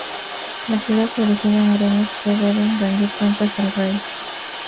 La ciudad se organiza en gremios que deben rendir cuentas al rey.